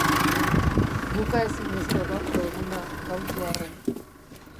Bukaezinezko gaurko eguna gautu arren.